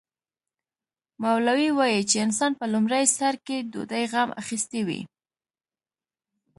مولوي وايي چې انسان په لومړي سر کې ډوډۍ غم اخیستی وي.